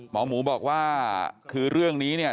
หมอหมูบอกว่าคือเรื่องนี้